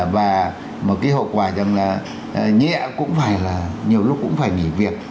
và một cái hậu quả rằng là nhẹ cũng phải là nhiều lúc cũng phải nghỉ việc